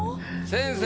先生！